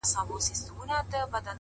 د خدای د نور نه جوړ غمی ي خو غمی نه يمه,